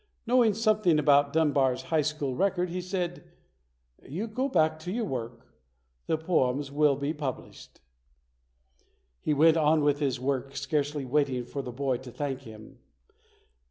Knowing something about Dunbar's high school record, he said, "You go back to your work; the poems will be published". He went on with his work, scarcely waiting for the boy to thank him.